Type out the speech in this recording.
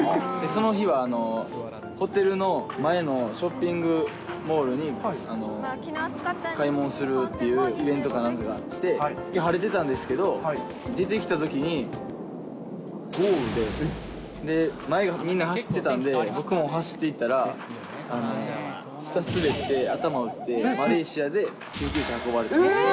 その日は、ホテルの前のショッピングモールに買い物するっていうイベントかなんかあって、晴れてたんですけど、出てきたときに、豪雨で、で、前をみんな走ってたんで、走っていったら、下滑って、頭を打って、マレーシアで救急車で運ばれた。